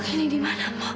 ini dimana ma